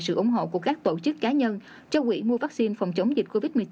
sự ủng hộ của các tổ chức cá nhân cho quỹ mua vaccine phòng chống dịch covid một mươi chín